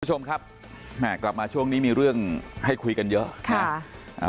ทุกผู้ชมครับกลับมาช่วงนี้มีเรื่องให้คุยกันเยอะ